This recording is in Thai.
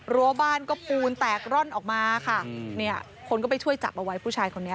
รั้วบ้านก็ปูนแตกร่อนออกมาค่ะเนี่ยคนก็ไปช่วยจับเอาไว้ผู้ชายคนนี้